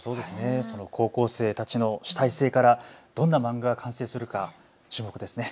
高校生たちの主体性からどんな漫画が完成するか注目ですね。